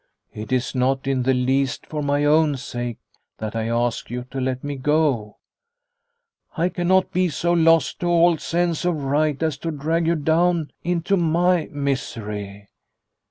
It is not in the least for my own sake that I ask you to let me go. I cannot be so lost to all sense of right as to drag you down into my misery.